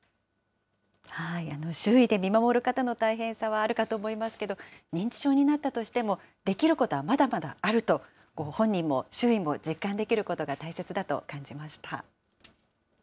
周囲で見守る方の大変さはあるかと思いますけど、認知症になったとしても、できることはまだまだあると、本人も周囲も実感できることが大切だと感じました。